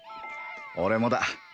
俺もだ